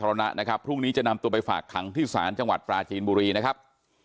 รณะนะครับพรุ่งนี้จะนำตัวไปฝากขังที่ศาลจังหวัดปราจีนบุรีนะครับ